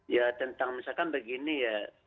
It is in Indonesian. ya tentang misalkan begini ya